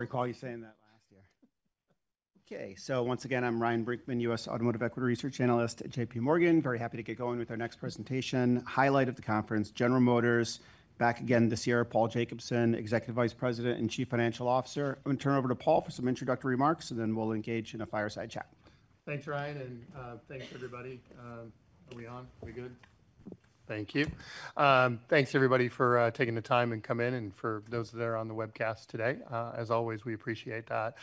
I recall you saying that last year. Okay, once again, I'm Ryan Brinkman, U.S. Automotive Equity Research Analyst at J.P. Morgan. Very happy to get going with our next presentation, highlight of the conference, General Motors. Back again this year, Paul Jacobson, Executive Vice President and Chief Financial Officer. I'm going to turn it over to Paul for some introductory remarks, and then we'll engage in a fireside chat. Thanks, Ryan, and thanks, everybody. Are we on? Are we good? Thank you. Thanks, everybody, for taking the time and coming in, and for those there on the webcast today. As always, we appreciate that.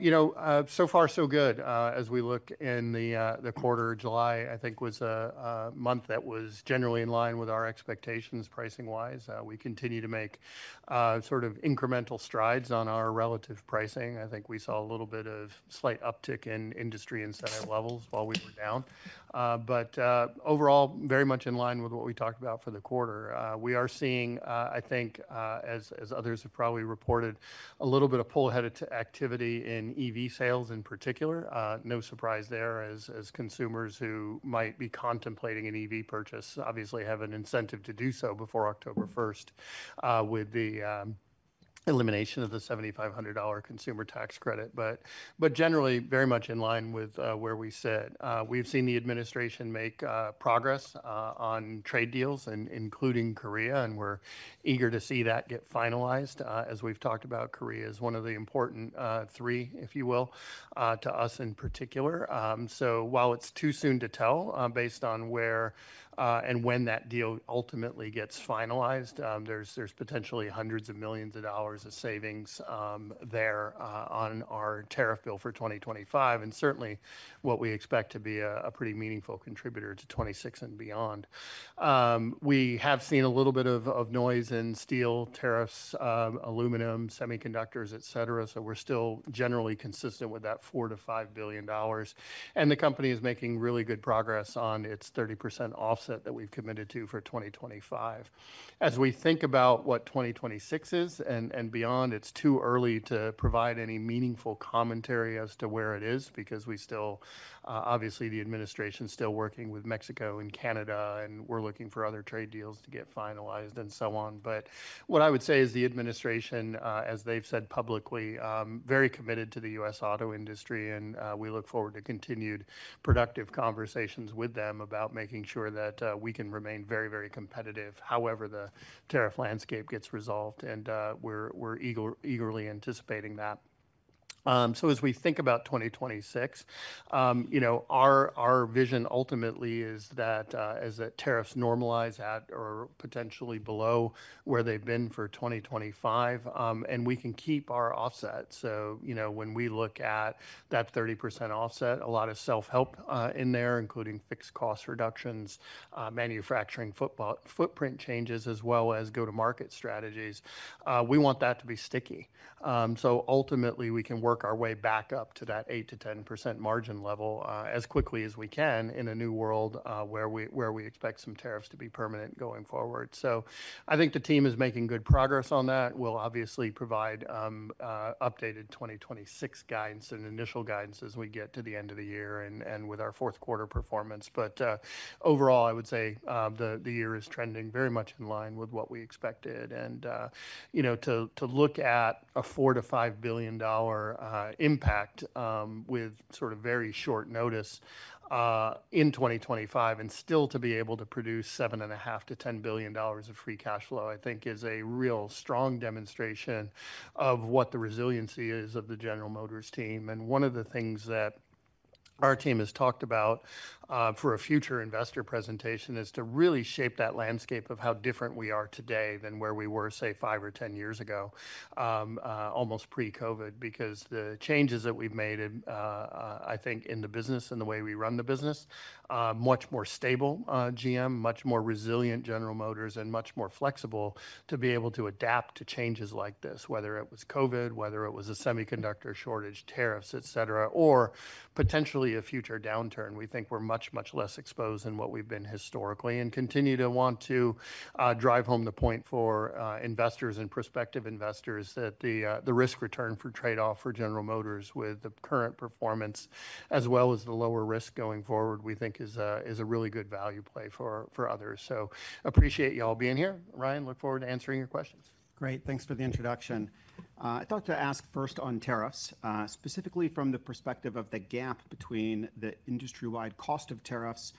You know, so far, so good. As we look in the quarter, July, I think was a month that was generally in line with our expectations pricing-wise. We continue to make sort of incremental strides on our relative pricing. I think we saw a little bit of slight uptick in industry incentive levels while we were down. Overall, very much in line with what we talked about for the quarter. We are seeing, I think, as others have probably reported, a little bit of pull ahead of activity in EV sales in particular. No surprise there, as consumers who might be contemplating an EV purchase obviously have an incentive to do so before October 1 with the elimination of the $7,500 consumer tax credit. Generally, very much in line with where we sit. We've seen the administration make progress on trade deals, including Korea, and we're eager to see that get finalized. As we've talked about, Korea is one of the important three, if you will, to us in particular. While it's too soon to tell based on where and when that deal ultimately gets finalized, there's potentially hundreds of millions of dollars of savings there on our tariff bill for 2025, and certainly what we expect to be a pretty meaningful contributor to 2026 and beyond. We have seen a little bit of noise in steel tariffs, aluminum, semiconductors, et cetera, so we're still generally consistent with that $4 billion-$5 billion. The company is making really good progress on its 30% offset that we've committed to for 2025. As we think about what 2026 is and beyond, it's too early to provide any meaningful commentary as to where it is because we still, obviously, the administration is still working with Mexico and Canada, and we're looking for other trade deals to get finalized and so on. What I would say is the administration, as they've said publicly, is very committed to the U.S. auto industry, and we look forward to continued productive conversations with them about making sure that we can remain very, very competitive however the tariff landscape gets resolved, and we're eagerly anticipating that. As we think about 2026, our vision ultimately is that as the tariffs normalize at or potentially below where they've been for 2025, and we can keep our offset. When we look at that 30% offset, a lot of self-help in there, including fixed cost reductions, manufacturing footprint changes, as well as go-to-market strategies, we want that to be sticky. Ultimately, we can work our way back up to that 8%-10% margin level as quickly as we can in a new world where we expect some tariffs to be permanent going forward. I think the team is making good progress on that. We'll obviously provide updated 2026 guidance and initial guidance as we get to the end of the year and with our fourth quarter performance. Overall, I would say the year is trending very much in line with what we expected. To look at a $4 billion-$5 billion impact with sort of very short notice in 2025 and still to be able to produce $7.5 billion-$10 billion of free cash flow, I think is a real strong demonstration of what the resiliency is of the General Motors team. One of the things that our team has talked about for a future investor presentation is to really shape that landscape of how different we are today than where we were, say, five or ten years ago, almost pre-COVID, because the changes that we've made, I think, in the business and the way we run the business, much more stable GM, much more resilient General Motors, and much more flexible to be able to adapt to changes like this, whether it was COVID, whether it was a semiconductor shortage, tariffs, et cetera, or potentially a future downturn. We think we're much, much less exposed than what we've been historically and continue to want to drive home the point for investors and prospective investors that the risk return trade-off for General Motors with the current performance, as well as the lower risk going forward, we think is a really good value play for others. I appreciate you all being here. Ryan, look forward to answering your questions. Great. Thanks for the introduction. I thought to ask first on tariffs, specifically from the perspective of the gap between the industry-wide cost of tariffs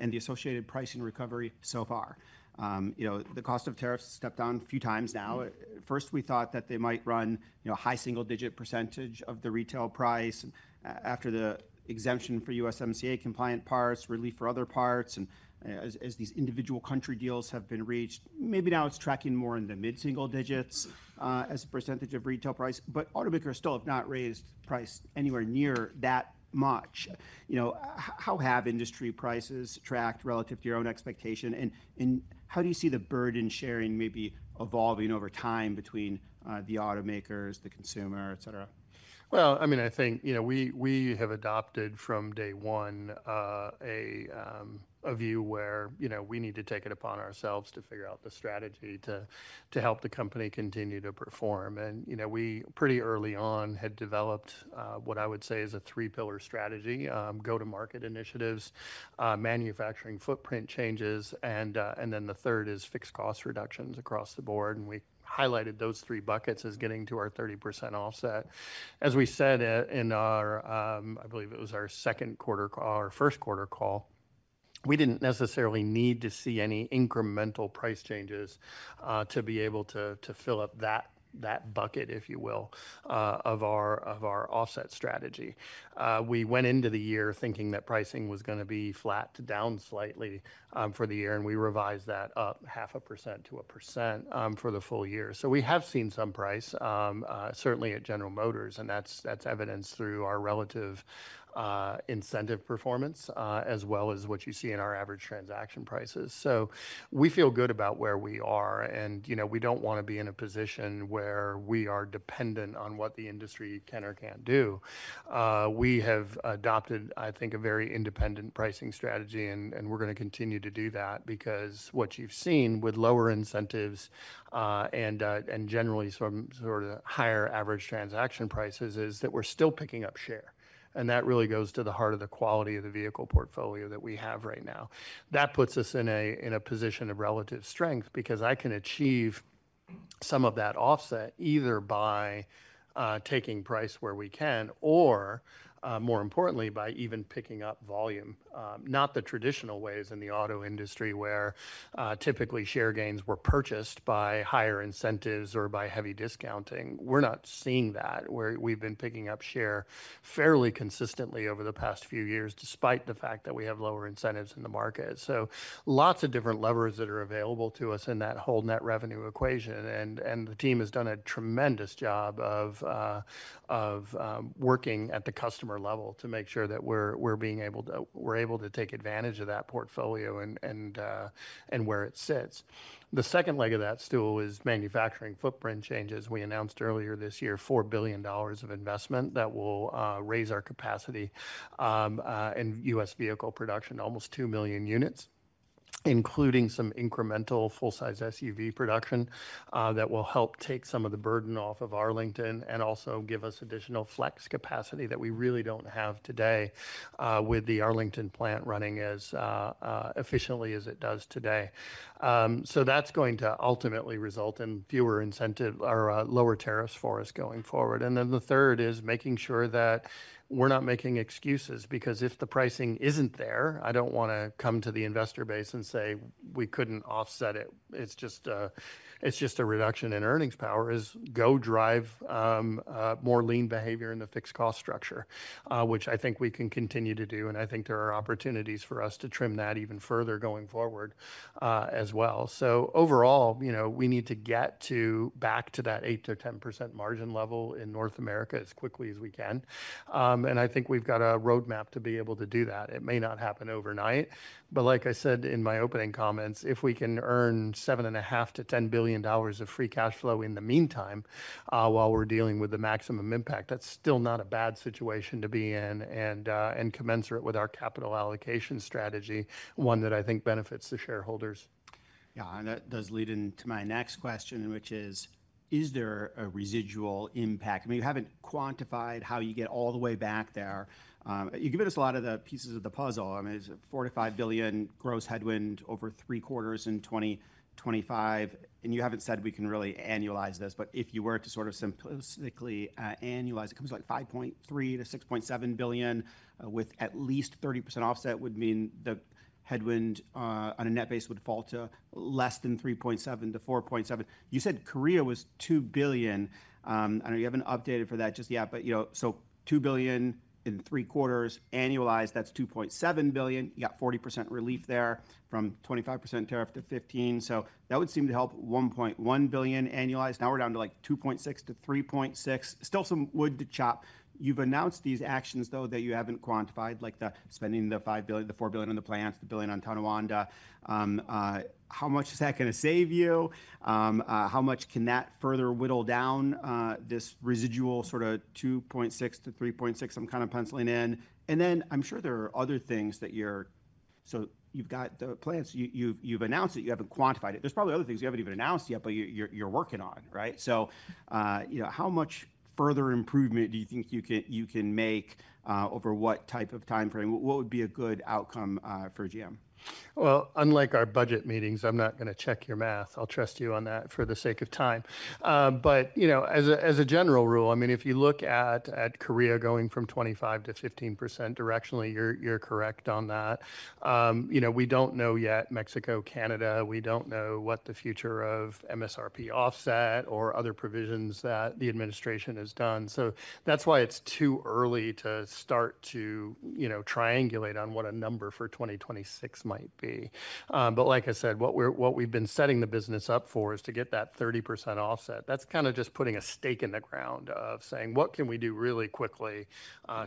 and the associated pricing recovery so far. You know, the cost of tariffs have stepped down a few times now. First, we thought that they might run a high single-digit percentage of the retail price after the exemption for USMCA compliant parts, relief for other parts, and as these individual country deals have been reached, maybe now it's tracking more in the mid-single digits as a percentage of retail price. Automakers still have not raised price anywhere near that much. You know, how have industry prices tracked relative to your own expectation, and how do you see the burden sharing maybe evolving over time between the automakers, the consumer, et cetera? I think, you know, we have adopted from day one a view where we need to take it upon ourselves to figure out the strategy to help the company continue to perform. We pretty early on had developed what I would say is a three-pillar strategy: go-to-market initiatives, manufacturing footprint changes, and then the third is fixed cost reductions across the board. We highlighted those three buckets as getting to our 30% offset. As we said in our, I believe it was our second quarter call or first quarter call, we didn't necessarily need to see any incremental price changes to be able to fill up that bucket, if you will, of our offset strategy. We went into the year thinking that pricing was going to be flat to down slightly for the year, and we revised that up 0.5%-1% for the full year. We have seen some price, certainly at General Motors, and that's evidenced through our relative incentive performance as well as what you see in our average transaction prices. We feel good about where we are, and we don't want to be in a position where we are dependent on what the industry can or can't do. We have adopted, I think, a very independent pricing strategy, and we're going to continue to do that because what you've seen with lower incentives and generally some sort of higher average transaction prices is that we're still picking up share. That really goes to the heart of the quality of the vehicle portfolio that we have right now. That puts us in a position of relative strength because I can achieve some of that offset either by taking price where we can or, more importantly, by even picking up volume, not the traditional ways in the auto industry where typically share gains were purchased by higher incentives or by heavy discounting. We're not seeing that. We've been picking up share fairly consistently over the past few years despite the fact that we have lower incentives in the market. Lots of different levers are available to us in that whole net revenue equation, and the team has done a tremendous job of working at the customer level to make sure that we're being able to take advantage of that portfolio and where it sits. The second leg of that stool is manufacturing footprint changes. We announced earlier this year $4 billion of investment that will raise our capacity in the U.S. Vehicle production, almost 2 million units, including some incremental full-size SUV production that will help take some of the burden off of Arlington and also give us additional flex capacity that we really don't have today with the Arlington plant running as efficiently as it does today. That's going to ultimately result in fewer incentives or lower tariffs for us going forward. The third is making sure that we're not making excuses because if the pricing isn't there, I don't want to come to the investor base and say we couldn't offset it. It's just a reduction in earnings power. Go drive more lean behavior in the fixed cost structure, which I think we can continue to do, and I think there are opportunities for us to trim that even further going forward as well. Overall, you know, we need to get back to that 8%-10% margin level in North America as quickly as we can. I think we've got a roadmap to be able to do that. It may not happen overnight, but like I said in my opening comments, if we can earn $7.5 billion-$10 billion of free cash flow in the meantime while we're dealing with the maximum impact, that's still not a bad situation to be in and commensurate with our capital allocation strategy, one that I think benefits the shareholders. Yeah, and that does lead into my next question, which is, is there a residual impact? I mean, you haven't quantified how you get all the way back there. You've given us a lot of the pieces of the puzzle. I mean, it's $4 billion-$5 billion gross headwind over three quarters in 2025, and you haven't said we can really annualize this, but if you were to sort of simplistically annualize, it comes to like $5.3 billion-$6.7 billion with at least 30% offset would mean the headwind on a net base would fall to less than $3.7 billion-$4.7 billion. You said Korea was $2 billion. I know you haven't updated for that just yet, but you know, $2 billion in three quarters annualized, that's $2.7 billion. You got 40% relief there from 25% tariff to 15%. That would seem to help $1.1 billion annualized. Now we're down to like $2.6 billion-$3.6 billion. Still some wood to chop. You've announced these actions that you haven't quantified, like spending the $5 billion-$4 billion on the plants, the billion on Tonawanda. How much is that going to save you? How much can that further whittle down this residual sort of $2.6 billion-$3.6 billion I'm kind of penciling in? I'm sure there are other things that you're... You've got the plants. You've announced it. You haven't quantified it. There's probably other things you haven't even announced yet, but you're working on, right? How much further improvement do you think you can make over what type of timeframe? What would be a good outcome for General Motors? Unlike our budget meetings, I'm not going to check your math. I'll trust you on that for the sake of time. As a general rule, if you look at Korea going from 25% to 15%, directionally, you're correct on that. We don't know yet about Mexico, Canada. We don't know what the future of MSRP offset or other provisions that the administration has done. That's why it's too early to start to triangulate on what a number for 2026 might be. Like I said, what we've been setting the business up for is to get that 30% offset. That's kind of just putting a stake in the ground of saying, what can we do really quickly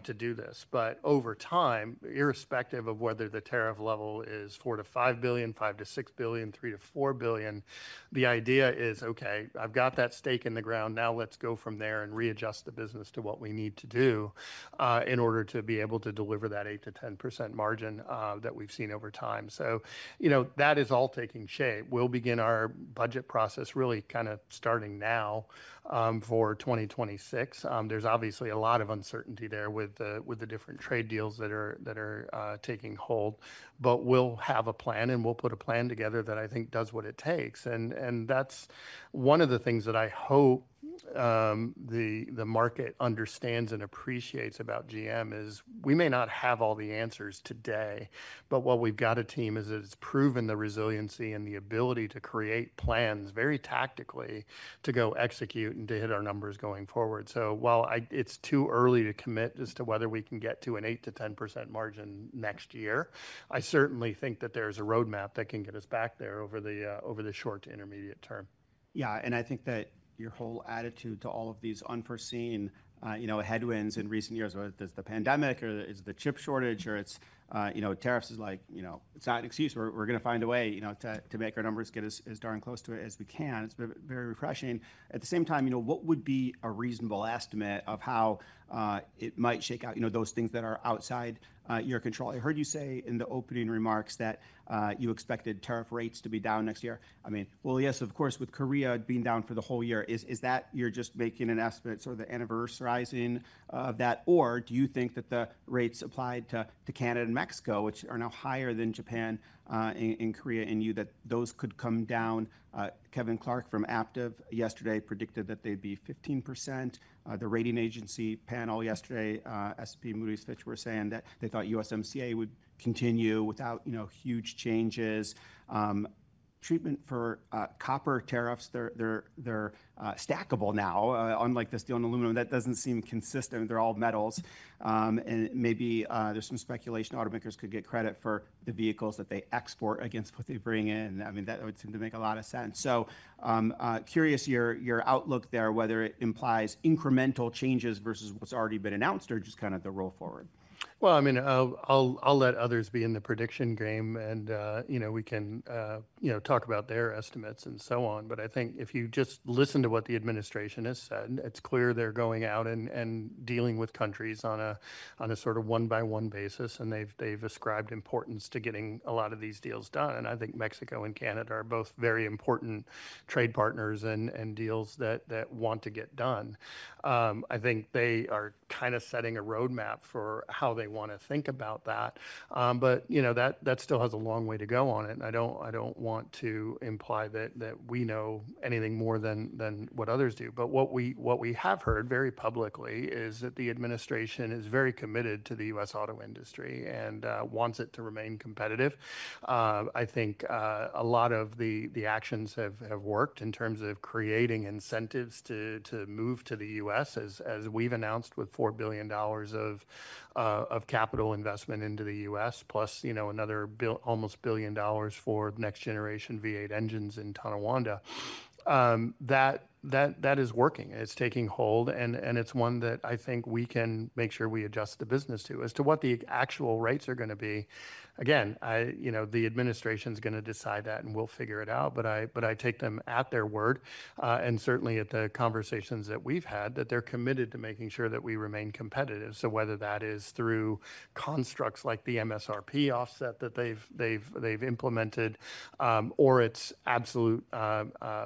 to do this? Over time, irrespective of whether the tariff level is $4 billion to $5 billion, $5 billion to $6 billion, $3 billion to $4 billion, the idea is, OK, I've got that stake in the ground. Now let's go from there and readjust the business to what we need to do in order to be able to deliver that 8%-10% margin that we've seen over time. That is all taking shape. We'll begin our budget process really kind of starting now for 2026. There's obviously a lot of uncertainty there with the different trade deals that are taking hold. We'll have a plan, and we'll put a plan together that I think does what it takes. That's one of the things that I hope the market understands and appreciates about General Motors is we may not have all the answers today, but we've got a team that has proven the resiliency and the ability to create plans very tactically to go execute and to hit our numbers going forward. While it's too early to commit as to whether we can get to an 8%-10% margin next year, I certainly think that there's a roadmap that can get us back there over the short to intermediate term. Yeah, and I think that your whole attitude to all of these unforeseen, you know, headwinds in recent years, whether it's the pandemic or it's the chip shortage or it's, you know, tariffs, is like, you know, it's not an excuse. We're going to find a way, you know, to make our numbers get as darn close to it as we can. It's very refreshing. At the same time, what would be a reasonable estimate of how it might shake out, you know, those things that are outside your control? I heard you say in the opening remarks that you expected tariff rates to be down next year. I mean, yes, of course, with Korea being down for the whole year, is that you're just making an estimate, sort of the anniversary of that? Or do you think that the rates applied to Canada and Mexico, which are now higher than Japan and Korea, and you that those could come down? Kevin Clark from Aptiv yesterday predicted that they'd be 15%. The rating agency panel yesterday, S&P, Moody's, Fitch, were saying that they thought USMCA would continue without, you know, huge changes. Treatment for copper tariffs, they're stackable now, unlike the steel and aluminum. That doesn't seem consistent. They're all metals. Maybe there's some speculation automakers could get credit for the vehicles that they export against what they bring in. That would seem to make a lot of sense. Curious your outlook there, whether it implies incremental changes versus what's already been announced or just kind of the roll forward. I'll let others be in the prediction game, and we can talk about their estimates and so on. I think if you just listen to what the administration has said, it's clear they're going out and dealing with countries on a sort of one-by-one basis, and they've ascribed importance to getting a lot of these deals done. I think Mexico and Canada are both very important trade partners and deals that want to get done. I think they are kind of setting a roadmap for how they want to think about that. That still has a long way to go on it. I don't want to imply that we know anything more than what others do. What we have heard very publicly is that the administration is very committed to the U.S. auto industry and wants it to remain competitive. I think a lot of the actions have worked in terms of creating incentives to move to the U.S., as we've announced with $4 billion of capital investment into the U.S., plus another almost $1 billion for the next generation V8 engines in Tonawanda. That is working. It's taking hold, and it's one that I think we can make sure we adjust the business to. As to what the actual rates are going to be, again, the administration is going to decide that, and we'll figure it out. I take them at their word and certainly at the conversations that we've had that they're committed to making sure that we remain competitive. Whether that is through constructs like the MSRP offset that they've implemented or its absolute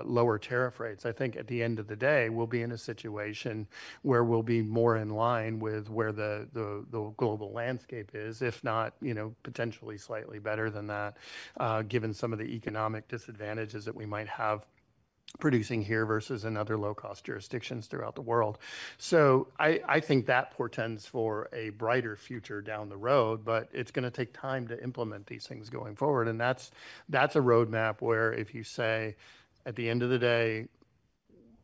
lower tariff rates, I think at the end of the day, we'll be in a situation where we'll be more in line with where the global landscape is, if not potentially slightly better than that, given some of the economic disadvantages that we might have producing here versus in other low-cost jurisdictions throughout the world. I think that portends for a brighter future down the road, but it's going to take time to implement these things going forward. That's a roadmap where, if you say, at the end of the day,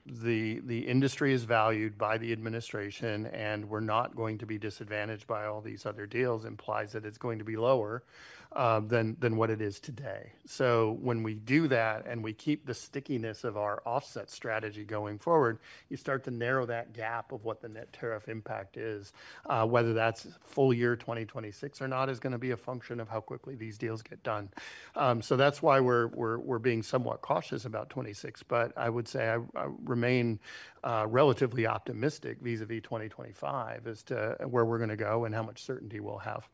the industry is valued by the administration and we're not going to be disadvantaged by all these other deals, implies that it's going to be lower than what it is today. When we do that and we keep the stickiness of our offset strategy going forward, you start to narrow that gap of what the net tariff impact is, whether that's full year 2026 or not, is going to be a function of how quickly these deals get done. That's why we're being somewhat cautious about 2026. I would say I remain relatively optimistic vis-à-vis 2025 as to where we're going to go and how much certainty we'll have.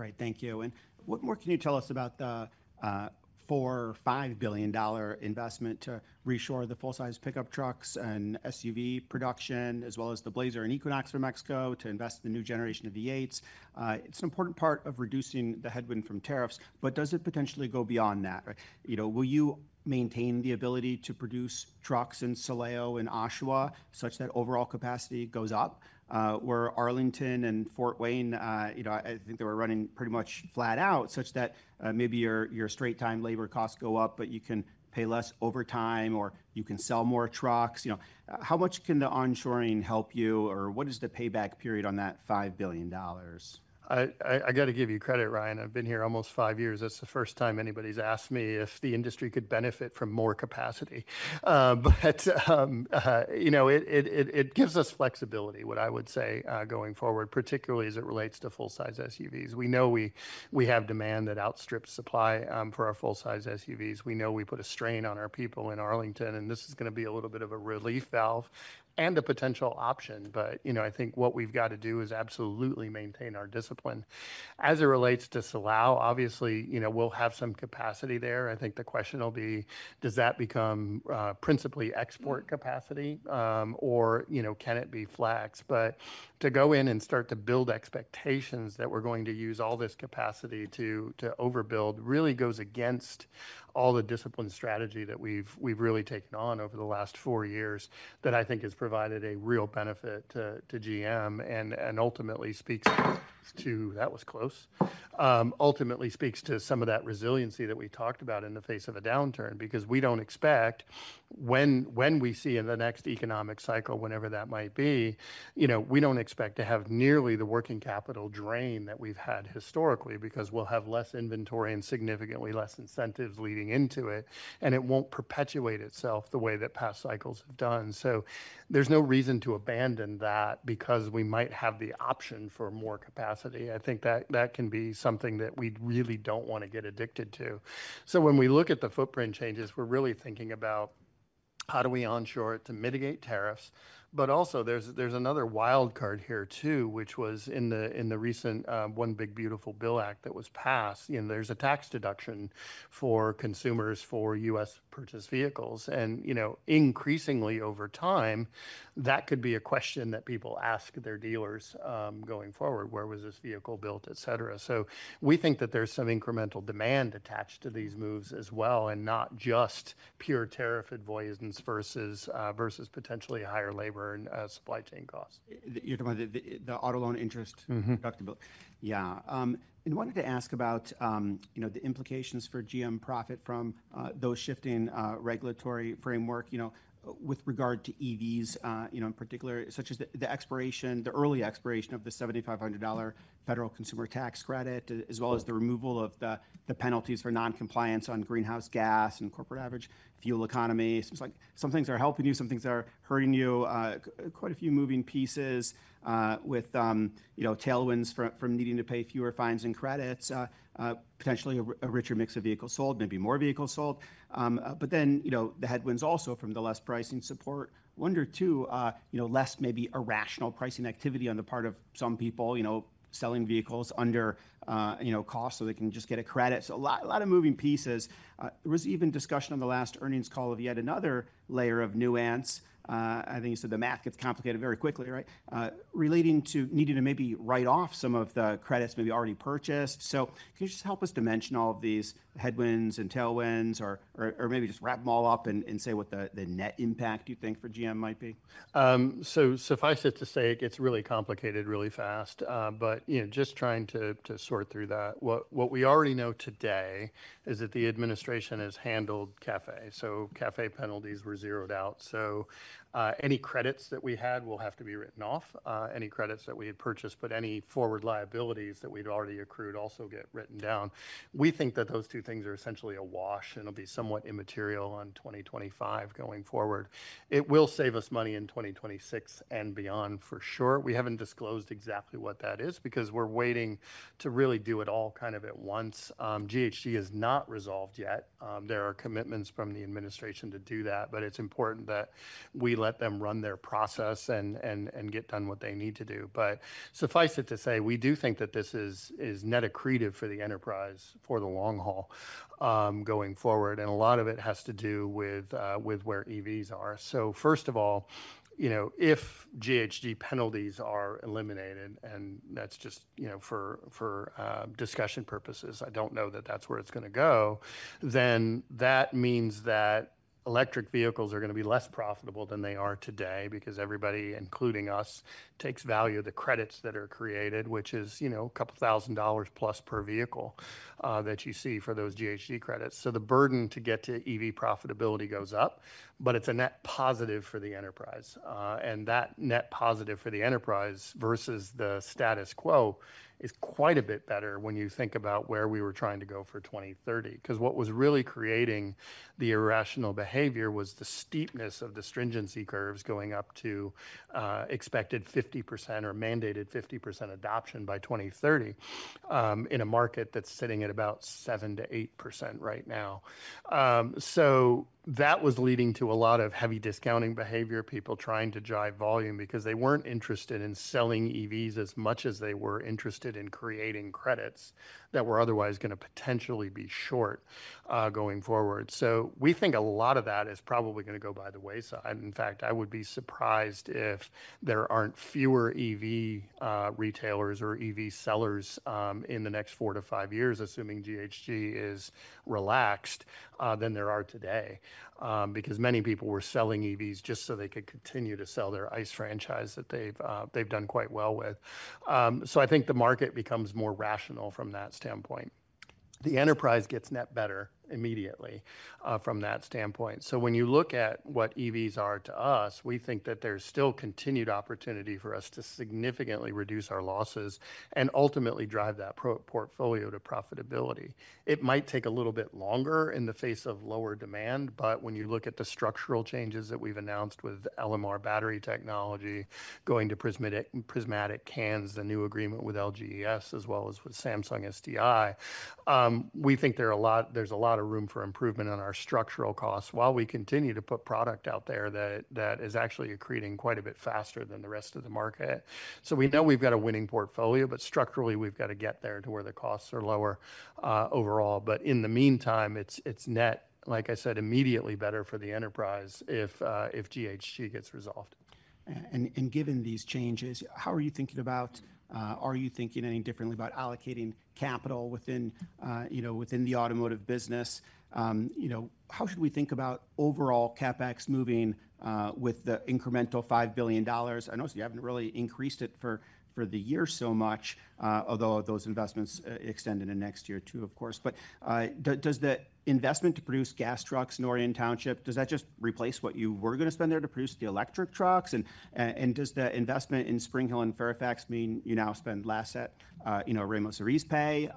Great. Thank you. What more can you tell us about the $4 billion or $5 billion investment to reshore the full-size pickup trucks and SUV production, as well as the Chevrolet Blazer and Chevrolet Equinox from Mexico to invest in the new generation of V8s? It's an important part of reducing the headwind from tariffs, but does it potentially go beyond that? Will you maintain the ability to produce trucks in Silao and Oshawa such that overall capacity goes up? Where Arlington and Fort Wayne, I think they were running pretty much flat out such that maybe your straight-time labor costs go up, but you can pay less overtime or you can sell more trucks. How much can the onshoring help you or what is the payback period on that $5 billion? I got to give you credit, Ryan. I've been here almost five years. That's the first time anybody's asked me if the industry could benefit from more capacity. It gives us flexibility, what I would say, going forward, particularly as it relates to full-size SUVs. We know we have demand that outstrips supply for our full-size SUVs. We know we put a strain on our people in Arlington, and this is going to be a little bit of a relief valve and a potential option. I think what we've got to do is absolutely maintain our discipline. As it relates to Salao, obviously, we'll have some capacity there. I think the question will be, does that become principally export capacity or can it be flex? To go in and start to build expectations that we're going to use all this capacity to overbuild really goes against all the discipline strategy that we've really taken on over the last four years that I think has provided a real benefit to General Motors and ultimately speaks to, ultimately speaks to some of that resiliency that we talked about in the face of a downturn because we don't expect when we see in the next economic cycle, whenever that might be, we don't expect to have nearly the working capital drain that we've had historically because we'll have less inventory and significantly less incentives leading into it. It won't perpetuate itself the way that past cycles have done. There is no reason to abandon that because we might have the option for more capacity. I think that can be something that we really don't want to get addicted to. When we look at the footprint changes, we're really thinking about how do we onshore it to mitigate tariffs. There is another wildcard here too, which was in the recent One Big Beautiful Bill Act that was passed. There's a tax deduction for consumers for U.S. purchased vehicles. Increasingly over time, that could be a question that people ask their dealers going forward. Where was this vehicle built, et cetera? We think that there's some incremental demand attached to these moves as well and not just pure tariff avoidance versus potentially higher labor and supply chain costs. You're talking about the auto loan interest deductible. Yeah. I wanted to ask about, you know, the implications for GM profit from those shifting regulatory framework, you know, with regard to EVs, you know, in particular, such as the expiration, the early expiration of the $7,500 federal consumer tax credit, as well as the removal of the penalties for non-compliance on greenhouse gas and Corporate Average Fuel Economy. It seems like some things are helping you, some things are hurting you. Quite a few moving pieces with, you know, tailwinds from needing to pay fewer fines and credits, potentially a richer mix of vehicles sold, maybe more vehicles sold. Then, you know, the headwinds also from the less pricing support. Wonder too, you know, less maybe irrational pricing activity on the part of some people, you know, selling vehicles under, you know, cost so they can just get a credit. A lot of moving pieces. There was even discussion on the last earnings call of yet another layer of nuance. I think you said the math gets complicated very quickly, right? Relating to needing to maybe write off some of the credits maybe already purchased. Can you just help us to mention all of these headwinds and tailwinds or maybe just wrap them all up and say what the net impact you think for GM might be? Suffice it to say, it gets really complicated really fast. Just trying to sort through that, what we already know today is that the administration has handled CAFE. CAFE penalties were zeroed out, so any credits that we had will have to be written off. Any credits that we had purchased, but any forward liabilities that we'd already accrued also get written down. We think that those two things are essentially a wash, and it'll be somewhat immaterial on 2025 going forward. It will save us money in 2026 and beyond for sure. We haven't disclosed exactly what that is because we're waiting to really do it all kind of at once. GHG is not resolved yet. There are commitments from the administration to do that, but it's important that we let them run their process and get done what they need to do. Suffice it to say, we do think that this is net accretive for the enterprise for the long haul going forward. A lot of it has to do with where EVs are. First of all, if GHG penalties are eliminated, and that's just for discussion purposes, I don't know that that's where it's going to go, then that means that electric vehicles are going to be less profitable than they are today because everybody, including us, takes value of the credits that are created, which is a couple thousand dollars plus per vehicle that you see for those GHG credits. The burden to get to EV profitability goes up, but it's a net positive for the enterprise. That net positive for the enterprise versus the status quo is quite a bit better when you think about where we were trying to go for 2030. What was really creating the irrational behavior was the steepness of the stringency curves going up to expected 50% or mandated 50% adoption by 2030 in a market that's sitting at about 7%-8% right now. That was leading to a lot of heavy discounting behavior, people trying to drive volume because they weren't interested in selling EVs as much as they were interested in creating credits that were otherwise going to potentially be short going forward. We think a lot of that is probably going to go by the wayside. In fact, I would be surprised if there aren't fewer EV retailers or EV sellers in the next four to five years, assuming GHG is relaxed, than there are today. Many people were selling EVs just so they could continue to sell their ICE franchise that they've done quite well with. I think the market becomes more rational from that standpoint. The enterprise gets net better immediately from that standpoint. When you look at what EVs are to us, we think that there's still continued opportunity for us to significantly reduce our losses and ultimately drive that portfolio to profitability. It might take a little bit longer in the face of lower demand, but when you look at the structural changes that we've announced with LMR battery technology, going to prismatic cans, a new agreement with LGES, as well as with Samsung SDI, we think there's a lot of room for improvement in our structural costs while we continue to put product out there that is actually accreting quite a bit faster than the rest of the market. We know we've got a winning portfolio, but structurally, we've got to get there to where the costs are lower overall. In the meantime, it's net, like I said, immediately better for the enterprise if GHG gets resolved. Given these changes, how are you thinking about, are you thinking any differently about allocating capital within the automotive business? How should we think about overall CapEx moving with the incremental $5 billion? I noticed you haven't really increased it for the year so much, although those investments extend into next year too, of course. Does the investment to produce gas trucks in Orion Township just replace what you were going to spend there to produce the electric trucks? Does the investment in Spring Hill and Fairfax mean you now spend less at, you know, Ramos-Arizpe?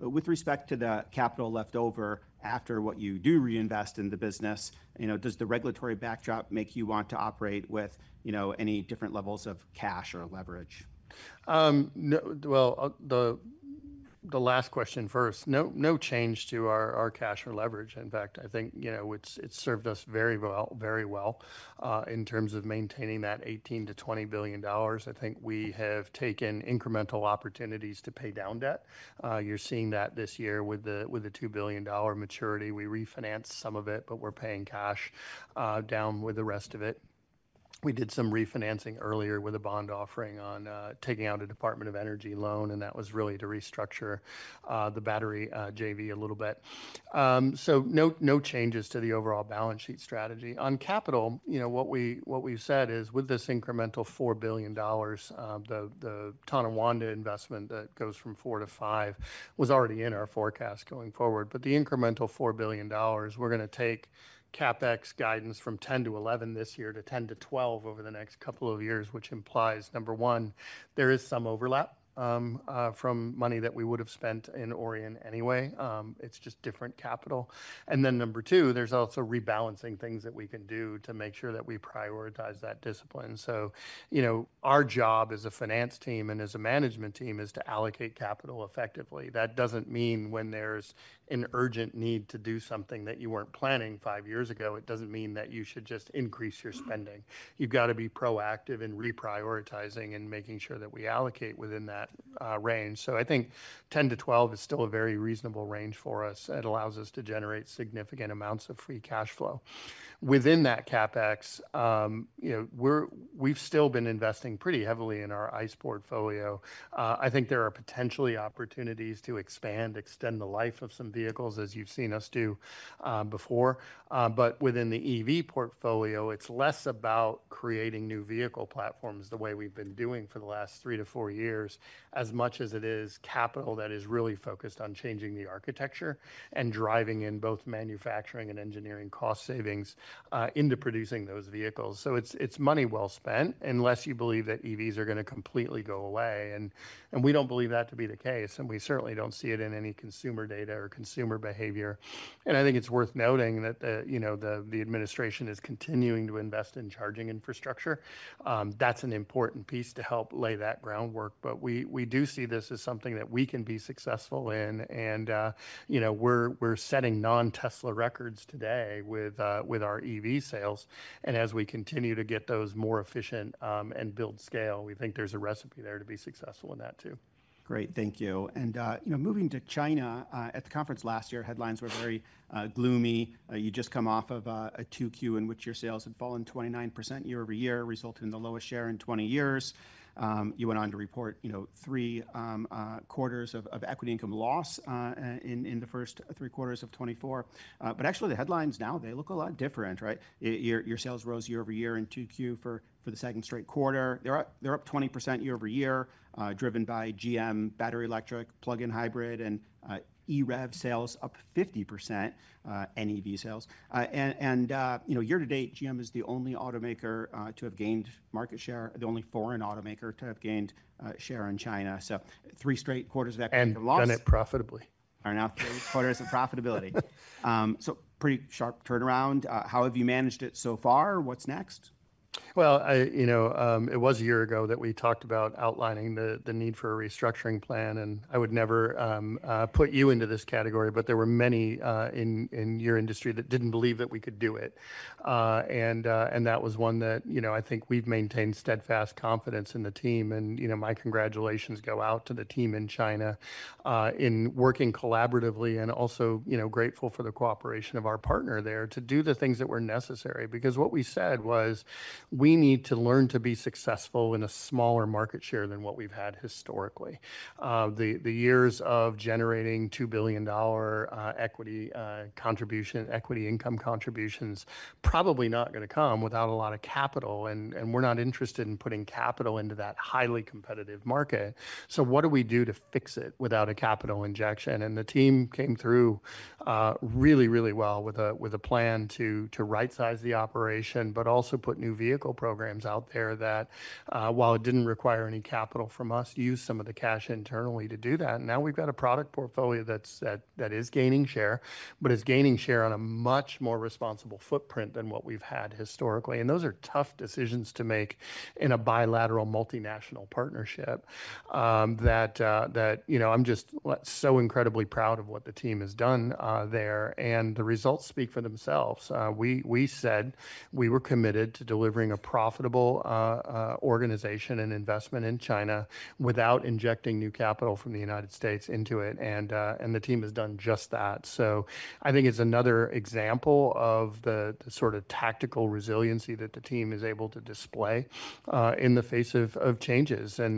With respect to the capital left over after what you do reinvest in the business, does the regulatory backdrop make you want to operate with, you know, any different levels of cash or leverage? The last question first. No change to our cash or leverage. In fact, I think it's served us very well, very well in terms of maintaining that $18 billion-$20 billion. I think we have taken incremental opportunities to pay down debt. You're seeing that this year with the $2 billion maturity. We refinanced some of it, but we're paying cash down with the rest of it. We did some refinancing earlier with a bond offering on taking out a Department of Energy loan, and that was really to restructure the battery JV a little bit. No changes to the overall balance sheet strategy. On capital, what we've said is with this incremental $4 billion, the Tonawanda investment that goes from $4 billion to $5 billion was already in our forecast going forward. The incremental $4 billion, we're going to take CapEx guidance from $10 billion to $11 billion this year to $10 billion to $12 billion over the next couple of years, which implies, number one, there is some overlap from money that we would have spent in Orient anyway. It's just different capital. Number two, there's also rebalancing things that we can do to make sure that we prioritize that discipline. Our job as a finance team and as a management team is to allocate capital effectively. That doesn't mean when there's an urgent need to do something that you weren't planning five years ago, it doesn't mean that you should just increase your spending. You've got to be proactive in reprioritizing and making sure that we allocate within that range. I think $10 billion-$12 billion is still a very reasonable range for us. It allows us to generate significant amounts of free cash flow. Within that CapEx, we've still been investing pretty heavily in our ICE portfolio. I think there are potentially opportunities to expand, extend the life of some vehicles, as you've seen us do before. Within the EV portfolio, it's less about creating new vehicle platforms the way we've been doing for the last three to four years, as much as it is capital that is really focused on changing the architecture and driving in both manufacturing and engineering cost savings into producing those vehicles. It's money well spent unless you believe that EVs are going to completely go away. We don't believe that to be the case. We certainly don't see it in any consumer data or consumer behavior. I think it's worth noting that the administration is continuing to invest in charging infrastructure. That's an important piece to help lay that groundwork. We do see this as something that we can be successful in. We're setting non-Tesla records today with our EV sales. As we continue to get those more efficient and build scale, we think there's a recipe there to be successful in that too. Great. Thank you. Moving to China, at the conference last year, headlines were very gloomy. You had just come off of a Q2 in which your sales had fallen 29% year-over-year, resulting in the lowest share in 20 years. You went on to report three quarters of equity income loss in the first three quarters of 2024. Actually, the headlines now look a lot different, right? Your sales rose year over year in Q2 for the second straight quarter. They're up 20% year over year, driven by GM battery electric, plug-in hybrid, and EREV sales up 50%, NEV sales. Year to date, General Motors is the only automaker to have gained market share, the only foreign automaker to have gained share in China. Three straight quarters of equity income loss. Done it profitably. are now three quarters of profitability. Pretty sharp turnaround. How have you managed it so far? What's next? It was a year ago that we talked about outlining the need for a restructuring plan. I would never put you into this category, but there were many in your industry that didn't believe that we could do it. That was one that I think we've maintained steadfast confidence in the team. My congratulations go out to the team in China in working collaboratively and also grateful for the cooperation of our partner there to do the things that were necessary. What we said was we need to learn to be successful in a smaller market share than what we've had historically. The years of generating $2 billion equity income contributions are probably not going to come without a lot of capital. We're not interested in putting capital into that highly competitive market. What do we do to fix it without a capital injection? The team came through really, really well with a plan to right-size the operation, but also put new vehicle programs out there that, while it didn't require any capital from us, used some of the cash internally to do that. Now we've got a product portfolio that is gaining share, but is gaining share on a much more responsible footprint than what we've had historically. Those are tough decisions to make in a bilateral multinational partnership that I'm just so incredibly proud of what the team has done there. The results speak for themselves. We said we were committed to delivering a profitable organization and investment in China without injecting new capital from the U.S. into it. The team has done just that. I think it's another example of the sort of tactical resiliency that the team is able to display in the face of changes. If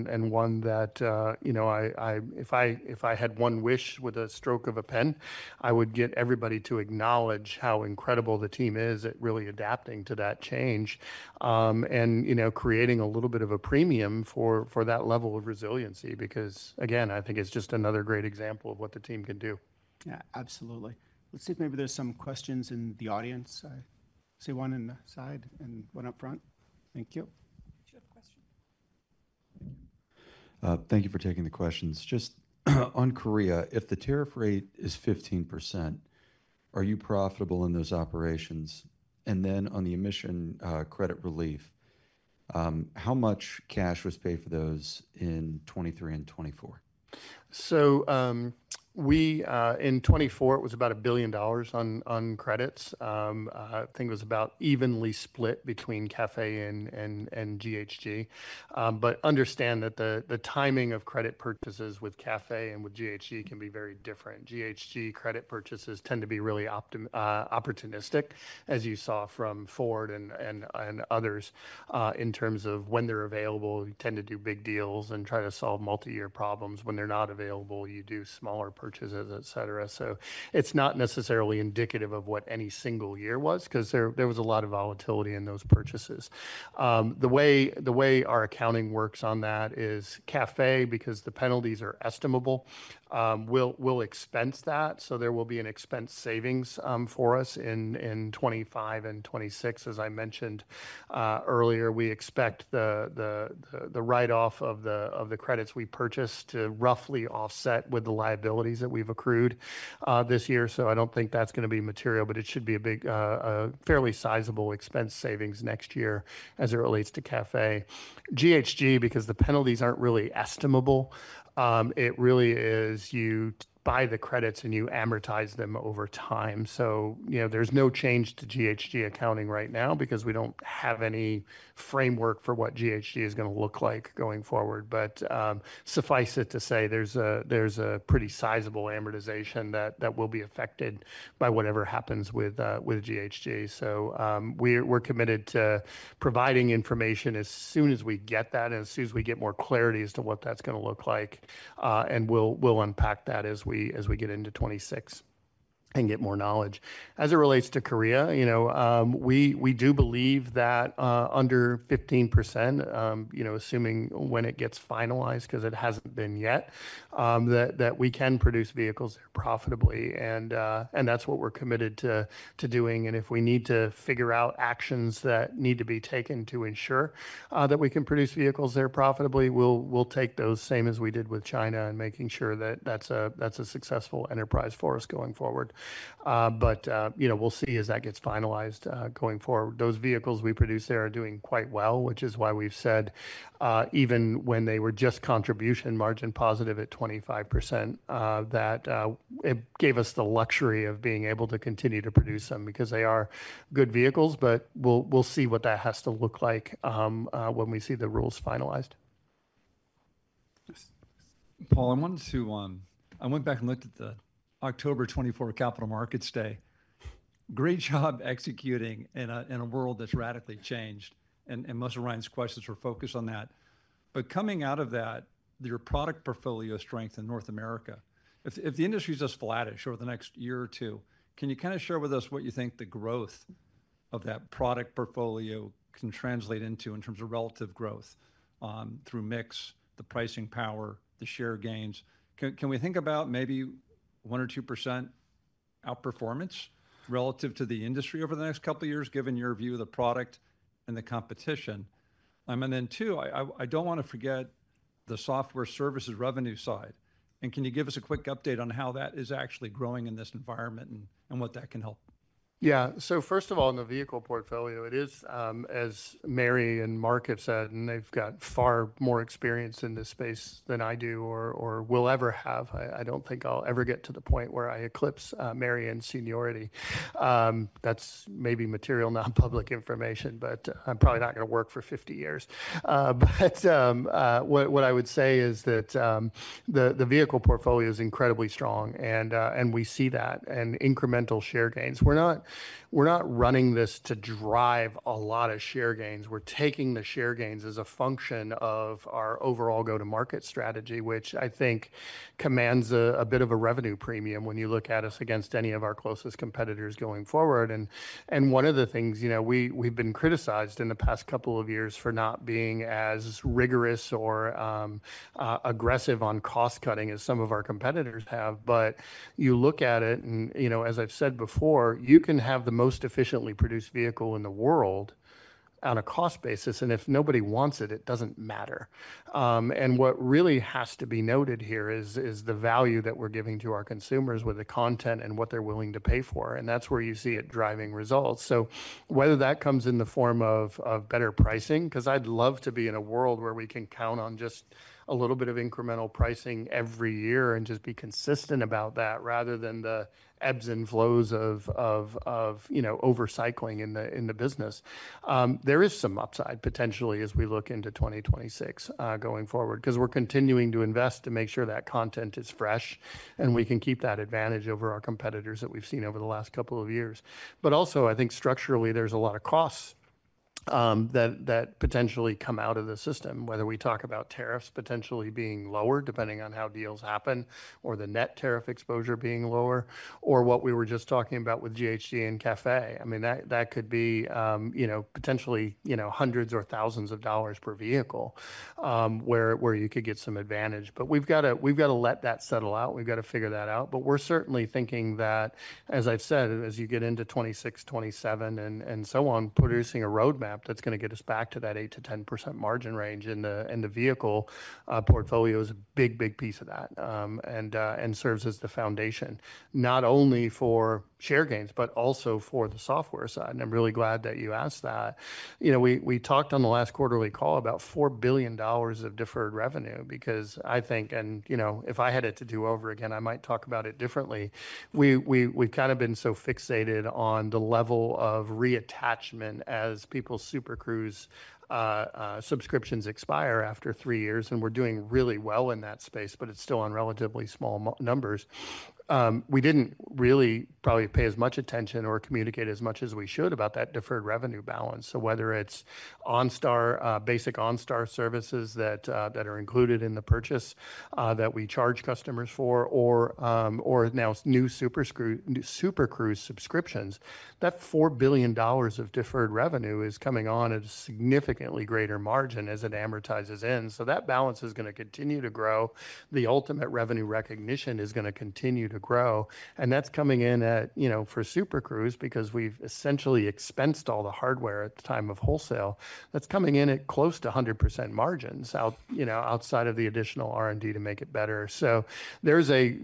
I had one wish with a stroke of a pen, I would get everybody to acknowledge how incredible the team is at really adapting to that change and creating a little bit of a premium for that level of resiliency. Again, I think it's just another great example of what the team can do. Yeah, absolutely. Let's see if maybe there's some questions in the audience. I see one on the side and one up front. Thank you. Thank you for taking the questions. Just on Korea, if the tariff rate is 15%, are you profitable in those operations? On the emission credit relief, how much cash was paid for those in 2023 and 2024? In 2024, it was about $1 billion on credits. I think it was about evenly split between CAFE and GHG. Understand that the timing of credit purchases with CAFE and with GHG can be very different. GHG credit purchases tend to be really opportunistic, as you saw from Ford and others. In terms of when they're available, you tend to do big deals and try to solve multi-year problems. When they're not available, you do smaller purchases, etc. It is not necessarily indicative of what any single year was because there was a lot of volatility in those purchases. The way our accounting works on that is CAFE, because the penalties are estimable, will expense that. There will be an expense savings for us in 2025 and 2026. As I mentioned earlier, we expect the write-off of the credits we purchased to roughly offset with the liabilities that we've accrued this year. I don't think that's going to be material, but it should be a fairly sizable expense savings next year as it relates to CAFE. GHG, because the penalties aren't really estimable, it really is you buy the credits and you amortize them over time. There is no change to GHG accounting right now because we don't have any framework for what GHG is going to look like going forward. Suffice it to say, there's a pretty sizable amortization that will be affected by whatever happens with GHG. We are committed to providing information as soon as we get that and as soon as we get more clarity as to what that's going to look like. We'll unpack that as we get into 2026 and get more knowledge. As it relates to Korea, we do believe that under 15%, assuming when it gets finalized, because it hasn't been yet, that we can produce vehicles profitably. That's what we're committed to doing. If we need to figure out actions that need to be taken to ensure that we can produce vehicles there profitably, we'll take those, same as we did with China, and making sure that that's a successful enterprise for us going forward. We'll see as that gets finalized going forward. Those vehicles we produce there are doing quite well, which is why we've said even when they were just contribution margin positive at 25%, that it gave us the luxury of being able to continue to produce them because they are good vehicles. We'll see what that has to look like when we see the rules finalized. Paul, I wanted to, I went back and looked at the October 2024 Capital Markets Day. Great job executing in a world that's radically changed. Much of Ryan's questions were focused on that. Coming out of that, your product portfolio strength in North America, if the industry is just flattish over the next year or two, can you kind of share with us what you think the growth of that product portfolio can translate into in terms of relative growth through mix, the pricing power, the share gains? Can we think about maybe 1% or 2% outperformance relative to the industry over the next couple of years, given your view of the product and the competition? I don't want to forget the software services revenue side. Can you give us a quick update on how that is actually growing in this environment and what that can help? Yeah, so first of all, in the vehicle portfolio, it is, as Mary and Mark have said, and they've got far more experience in this space than I do or will ever have. I don't think I'll ever get to the point where I eclipse Mary in seniority. That's maybe material non-public information, but I'm probably not going to work for 50 years. What I would say is that the vehicle portfolio is incredibly strong, and we see that, and incremental share gains. We're not running this to drive a lot of share gains. We're taking the share gains as a function of our overall go-to-market strategy, which I think commands a bit of a revenue premium when you look at us against any of our closest competitors going forward. One of the things, we've been criticized in the past couple of years for not being as rigorous or aggressive on cost cutting as some of our competitors have. You look at it, and as I've said before, you can have the most efficiently produced vehicle in the world on a cost basis, and if nobody wants it, it doesn't matter. What really has to be noted here is the value that we're giving to our consumers with the content and what they're willing to pay for. That's where you see it driving results. Whether that comes in the form of better pricing, because I'd love to be in a world where we can count on just a little bit of incremental pricing every year and just be consistent about that rather than the ebbs and flows of overcycling in the business. There is some upside potentially as we look into 2026 going forward because we're continuing to invest to make sure that content is fresh and we can keep that advantage over our competitors that we've seen over the last couple of years. I think structurally, there's a lot of costs that potentially come out of the system, whether we talk about tariffs potentially being lower depending on how deals happen or the net tariff exposure being lower or what we were just talking about with GHG and CAFE. That could be potentially hundreds or thousands of dollars per vehicle where you could get some advantage. We've got to let that settle out. We've got to figure that out. We're certainly thinking that, as I said, as you get into 2026, 2027, and so on, producing a roadmap that's going to get us back to that 8%-10% margin range in the vehicle portfolio is a big, big piece of that and serves as the foundation, not only for share gains, but also for the software side. I'm really glad that you asked that. You know, we talked on the last quarterly call about $4 billion of deferred revenue because I think, and you know, if I had it to do over again, I might talk about it differently. We've kind of been so fixated on the level of reattachment as people's Super Cruise subscriptions expire after three years, and we're doing really well in that space, but it's still on relatively small numbers. We didn't really probably pay as much attention or communicate as much as we should about that deferred revenue balance. Whether it's basic OnStar services that are included in the purchase that we charge customers for, or now new Super Cruise subscriptions, that $4 billion of deferred revenue is coming on at a significantly greater margin as it amortizes in. That balance is going to continue to grow. The ultimate revenue recognition is going to continue to grow. That's coming in at, you know, for Super Cruise because we've essentially expensed all the hardware at the time of wholesale. That's coming in at close to 100% margins outside of the additional R&D to make it better. There's an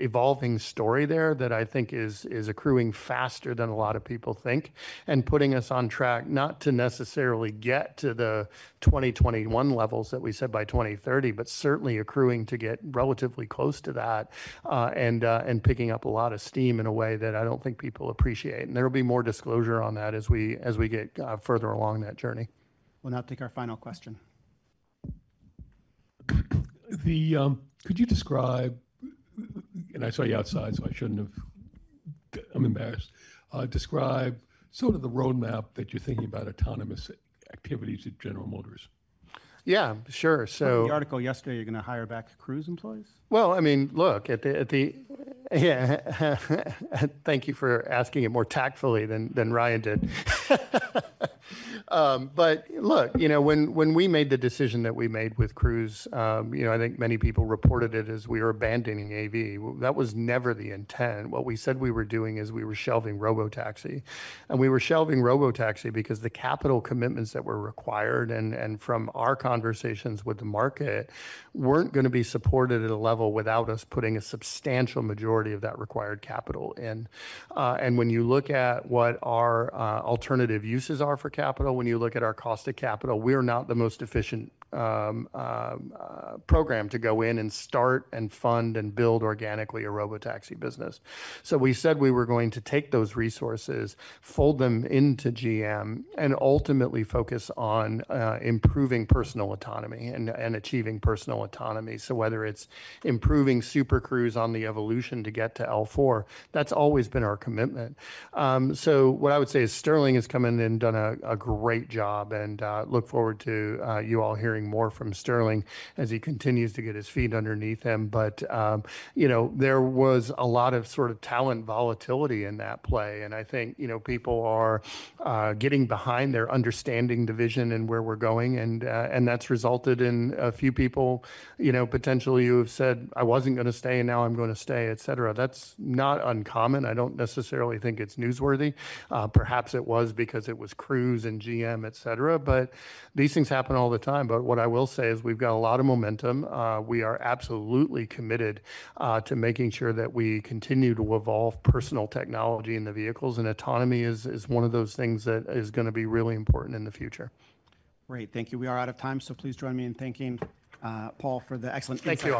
evolving story there that I think is accruing faster than a lot of people think and putting us on track not to necessarily get to the 2021 levels that we said by 2030, but certainly accruing to get relatively close to that and picking up a lot of steam in a way that I don't think people appreciate. There'll be more disclosure on that as we get further along that journey. We'll now take our final question. Could you describe, and I saw you outside, so I shouldn't have, I'm embarrassed, describe sort of the roadmap that you're thinking about autonomous activities at General Motors? Yeah, sure. The article yesterday, you're going to hire back Cruise employees? Thank you for asking it more tactfully than Ryan did. When we made the decision that we made with Cruise, I think many people reported it as we were abandoning AV. That was never the intent. What we said we were doing is we were shelving robotaxi. We were shelving robotaxi because the capital commitments that were required and from our conversations with the market weren't going to be supported at a level without us putting a substantial majority of that required capital in. When you look at what our alternative uses are for capital, when you look at our cost of capital, we're not the most efficient program to go in and start and fund and build organically a robotaxi business. We said we were going to take those resources, fold them into General Motors, and ultimately focus on improving personal autonomy and achieving personal autonomy. Whether it's improving Super Cruise on the evolution to get to L4, that's always been our commitment. What I would say is Sterling has come in and done a great job, and I look forward to you all hearing more from Sterling as he continues to get his feet underneath him. There was a lot of sort of talent volatility in that play. I think people are getting behind. They're understanding the vision and where we're going. That's resulted in a few people, you know, potentially you have said, I wasn't going to stay and now I'm going to stay, et cetera. That's not uncommon. I don't necessarily think it's newsworthy. Perhaps it was because it was Cruise and General Motors, et cetera. These things happen all the time. What I will say is we've got a lot of momentum. We are absolutely committed to making sure that we continue to evolve personal technology in the vehicles. Autonomy is one of those things that is going to be really important in the future. Great. Thank you. We are out of time. Please join me in thanking Paul for the excellent insights. Thank you, all